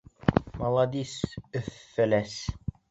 Маладис, Өф-Фәләс!